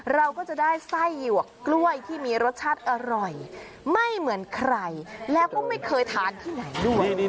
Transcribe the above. เราก็จะได้ไส้หยวกกล้วยที่มีรสชาติอร่อยไม่เหมือนใครแล้วก็ไม่เคยทานที่ไหนด้วย